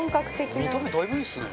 中丸：見た目だいぶいいですね。